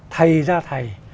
thầy ra thầy